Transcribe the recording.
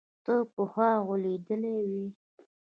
ته پخوا غولېدلى وي.